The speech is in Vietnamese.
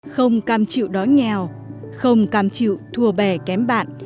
không cam chịu đói nghèo không cam chịu thua bè kém bạn